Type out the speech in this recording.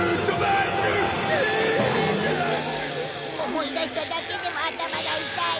思い出しただけでも頭が痛い。